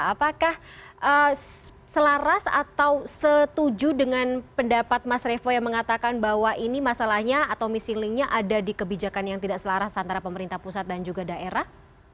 apakah selaras atau setuju dengan pendapat mas revo yang mengatakan bahwa ini masalahnya atau misi linknya ada di kebijakan yang tidak selaras antara pemerintah pusat dan juga daerah